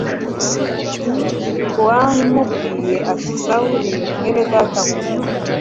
wamubwiye ati: “Sawuli, Mwenedata, humuka”